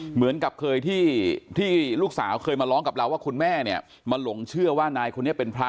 เหมือนกับเคยที่ลูกสาวเคยมาร้องกับเราว่าคุณแม่เนี่ยมาหลงเชื่อว่านายคนนี้เป็นพระ